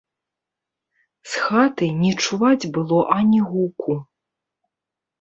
З хаты не чуваць было ані гуку.